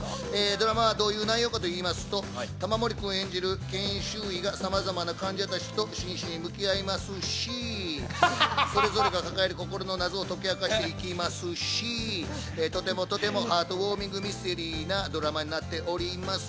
ドラマはどういう内容かと言いますと玉森君演じる研修医がさまざまな患者たちと真摯に向き合いますし、それぞれが抱える心の謎を解き明かしていきますし、とてもとてもハートウォーミングミステリーなドラマになっております。